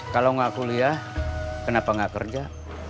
kalau gak kuliah kenapa gak kerja